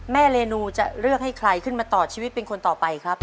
เรนูจะเลือกให้ใครขึ้นมาต่อชีวิตเป็นคนต่อไปครับ